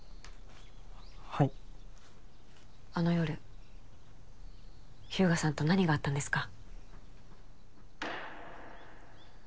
はいあの夜日向さんと何があったんですか？